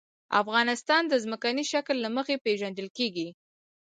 افغانستان د ځمکنی شکل له مخې پېژندل کېږي.